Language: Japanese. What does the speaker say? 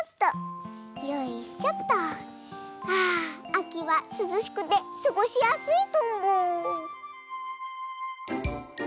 あきはすずしくてすごしやすいとんぼ。